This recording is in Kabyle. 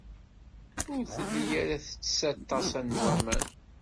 Ur telli ara tettess aṭas n waman.